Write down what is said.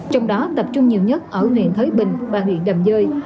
trong đó tập trung nhiều nhất ở huyện thới bình và huyện đầm dơi